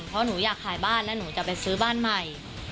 เพราะหนูอยากขายบ้านแล้วหนูจะไปซื้อบ้านใหม่